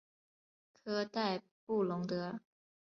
科代布龙德。